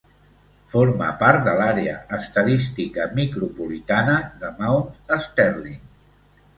Forma part de l'àrea estadística micropolitana de Mount Sterling.